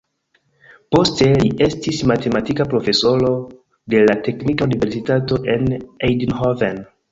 Poste li estis matematika profesoro je la teknika universitato en Eindhoven.